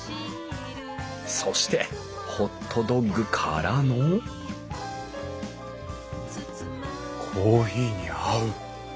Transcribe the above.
そしてホットドッグからのコーヒーに合う。